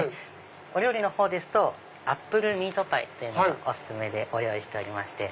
お料理のほうですとアップルミートパイっていうのがお薦めでご用意しておりまして。